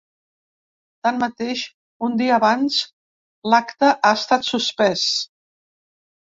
Tanmateix, un dia abans, l’acte ha estat suspès.